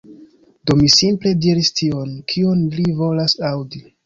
Do mi simple diris tion, kion li volas aŭdi.